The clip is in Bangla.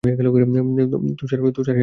তুষার, হে ভগবান।